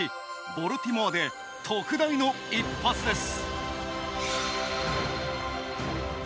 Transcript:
ボルティモアで特大の一発です。